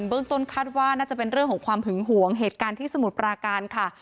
เบื้องต้นคาดว่าน่าจะเป็นเรื่องของความหึงหวงเหตุการณ์ที่สมุทรปราการค่ะ